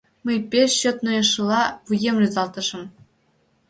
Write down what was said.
Мый пеш чот нойышыла вуем рӱзалтышым.